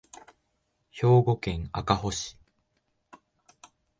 兵庫県赤穂市